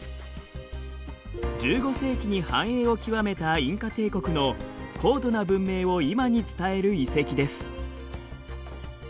１５世紀に繁栄を極めたインカ帝国の高度な文明を今に伝える遺跡です。